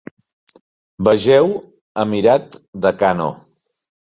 Vegeu Emirat de Kano.